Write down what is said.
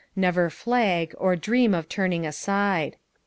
Never flag, or dream of turning aside.